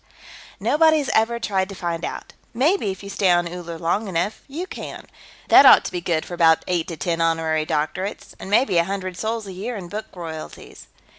"Nobody's ever tried to find out. Maybe if you stay on Uller long enough, you can. That ought to be good for about eight to ten honorary doctorates. And maybe a hundred sols a year in book royalties."